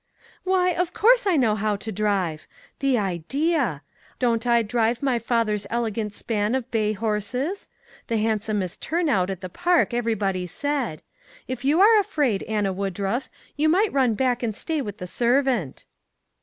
"" Why, of course I know how to drive; the idea! Don't I drive my father's elegant span of bay horses? The handsomest turnout at the Park, everybody said. If you are afraid, Anna Woodruff, you might run back and stay with the servant."